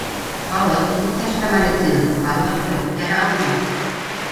Халыҡ, иптәш Камалетдинов, барлыҡты күтәрә алмай.